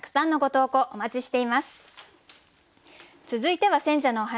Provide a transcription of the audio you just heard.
続いては選者のお話。